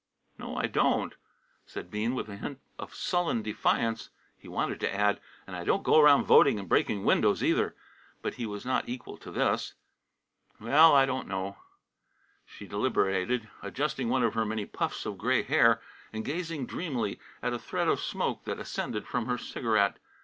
"No, I don't," said Bean, with a hint of sullen defiance. He wanted to add: "And I don't go round voting and breaking windows, either," but he was not equal to this. "Well, I don't know " She deliberated, adjusting one of her many puffs of gray hair, and gazing dreamily at a thread of smoke that ascended from her cigarette.